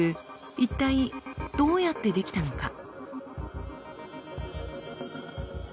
一体どうやって出来たのか？